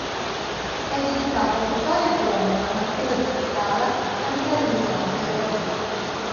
È dedicato a Vittoria Colonna, marchesa di Pescara, amica di Michelangelo.